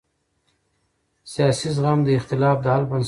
سیاسي زغم د اختلاف د حل بنسټ جوړوي